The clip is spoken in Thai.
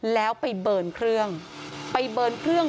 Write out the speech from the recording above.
แล้วไปเบิร์นเครื่อง